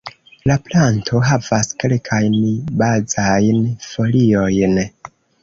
La planto havas kelkajn bazajn foliojn.